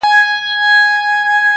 دا احسان دي لا پر ځان نه دی منلی.!